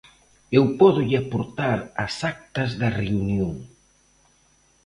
Eu pódolle aportar as actas da reunión.